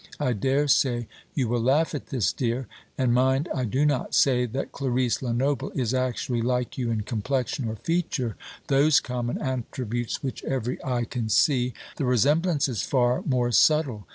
I dare say you will laugh at this, dear; and, mind, I do not say that Clarice Lenoble is actually like you in complexion or feature those common attributes which every eye can see; the resemblance is far more subtle.